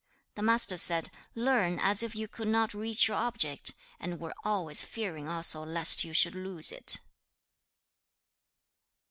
The Master said, 'Learn as if you could not reach your object, and were always fearing also lest you should lose it.'